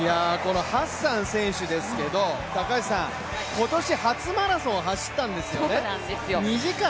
ハッサン選手ですが、今年、初マラソンを走ったんですよね。